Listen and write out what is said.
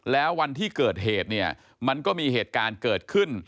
แล้ววันที่เกิดเหตุเนี่ยมันก็มีเหตุการณ์เกิดขึ้น